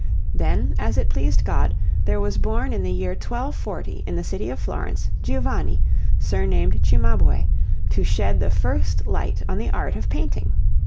Then, as it pleased God, there was born in the year 1240, in the city of Florence, Giovanni, surnamed Cimabue, to shed the first light on the art of painting.